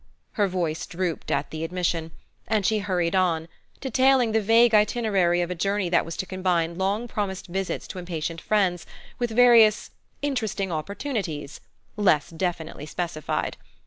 Her voice drooped at the admission, and she hurried on, detailing the vague itinerary of a journey that was to combine long promised visits to impatient friends with various "interesting opportunities" less definitely specified.